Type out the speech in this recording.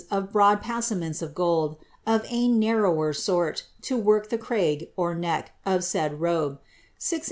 of broad passaments of gold, of ane narrower sort, to work the craig (neck) of said robe; 6 oz.